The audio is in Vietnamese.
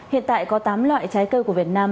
hiện tại có tám loại trái cây của việt nam